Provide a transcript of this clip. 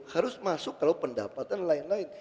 harus masuk kalau pendapatan lain lain